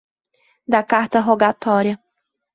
Da Carta Rogatória